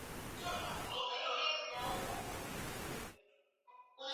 ambao ni mkoa wa Mwanza kuna msimu wa mvua na kiangazi